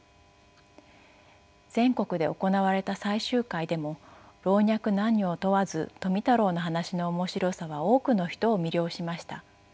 全国で行われた採集会でも老若男女を問わず富太郎の話の面白さは多くの人を魅了しました。